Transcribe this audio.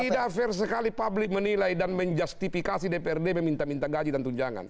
tidak fair sekali publik menilai dan menjustifikasi dprd meminta minta gaji dan tunjangan